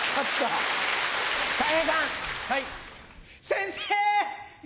先生！